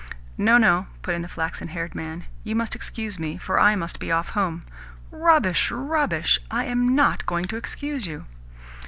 "No, no," put in the flaxen haired man. "You must excuse me, for I must be off home." "Rubbish, rubbish! I am NOT going to excuse you."